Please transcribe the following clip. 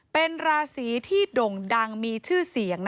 เป็นราศีที่ด่งดังมีชื่อเสียง